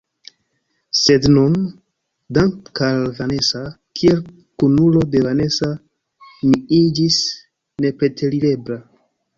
Sed nun, danke al Vanesa, kiel kunulo de Vanesa, mi iĝis nepreterirebla.